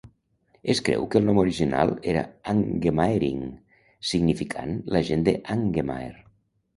Es creu que el nom original era "Angenmaering" significant la gent d'Angenmaer.